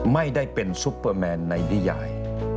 ไม่ได้เป็นซุปเปอร์แมนในนิยาย